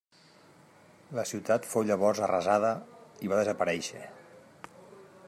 La ciutat fou llavors arrasada i va desaparèixer.